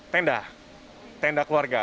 tenda tenda keluarga